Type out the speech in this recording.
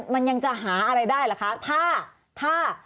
มันยังจะหาอะไรได้ล่ะคะ